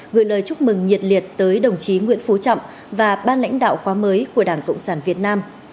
gửi lời chúc mừng nhiệt liệt tới đồng chí nguyễn phú trọng và ban lãnh đạo khóa mới của đảng cộng sản việt nam